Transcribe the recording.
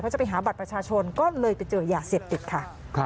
จะไปหาบัตรประชาชนก็เลยไปเจอยาเสพติดค่ะ